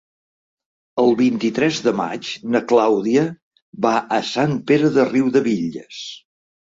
El vint-i-tres de maig na Clàudia va a Sant Pere de Riudebitlles.